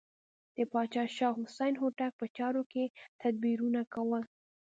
د پاچا شاه حسین هوتک په چارو کې تدبیرونه کول.